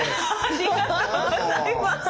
ありがとうございます。